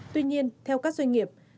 tuy nhiên theo các doanh nghiệp